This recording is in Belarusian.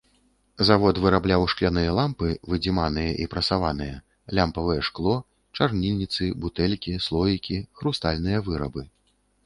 Завод вырабляў шкляныя лямпы выдзіманыя і прасаваныя, лямпавае шкло, чарніліцы, бутэлькі, слоікі, хрустальныя вырабы.